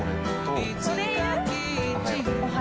いつかキッチンを